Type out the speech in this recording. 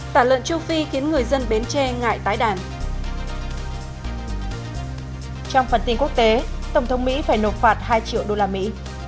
xin chào và hẹn gặp lại trong các bản tin sau đây